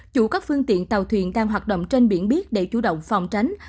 chủ các phương tiện tàu thuyền đang hoạt động trên biển biết để chủ động phòng tránh